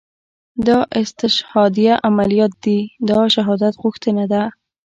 دا استشهاديه عمليات دي دا شهادت غوښتنه ده.